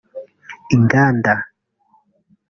inganda